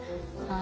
あ。